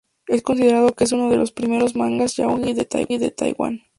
Es considerado que es uno de los primeros mangas yaoi de Taiwán.